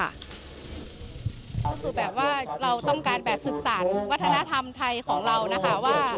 คือแบบว่าเราต้องการแบบศึกษาวัฒนธรรมไทยของเรานะคะ